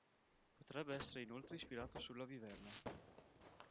Potrebbe essere inoltre ispirato sulla viverna.